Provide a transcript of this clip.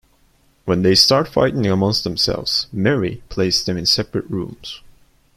When they start fighting amongst themselves, Mary places them in separate rooms.